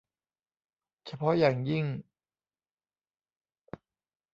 เฉพาะอย่างยิ่ง